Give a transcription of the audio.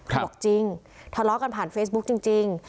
เขาบอกจริงทะเลาะกันผ่านเฟซบุ๊คจริงจริง